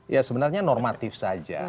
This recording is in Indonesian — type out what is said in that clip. ya sebenarnya normatif saja